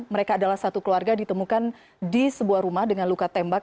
mereka adalah satu keluarga ditemukan di sebuah rumah dengan luka tembak